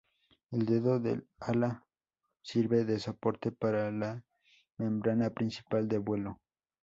El dedo del ala sirve de soporte para la membrana principal de vuelo.